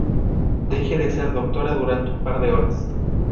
deje de ser doctora durante un par de horas